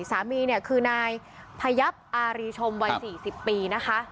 สามีเนี่ยคือนายพยับอารีชมวัย๔๐ปีนะคะ